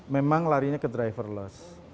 memang larinya ke driverless